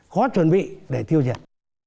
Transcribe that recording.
có chuẩn bị để tiêu diệt